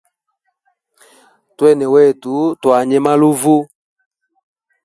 Twene wetu twanywe maluvu.